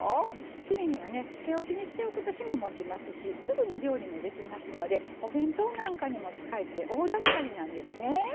切り身は漬け置きにしておくと日ももちますしすぐに料理もできますしお弁当なんかにも使えて大助かりなんですね。